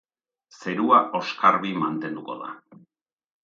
Zerua oskarbi mantenduko da.